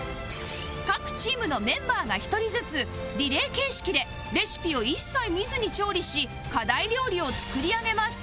各チームのメンバーが１人ずつリレー形式でレシピを一切見ずに調理し課題料理を作り上げます